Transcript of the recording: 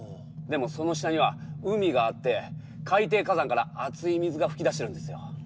でもその下には海があって海底火山から熱い水が噴き出してるんですよ。